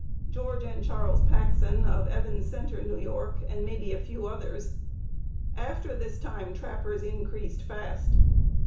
George and Charles Paxon of Evans Center, N. Y., and maybe a few others. After this time, trappers increased fast.